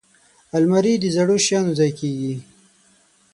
الماري د زړو شیانو ځای کېږي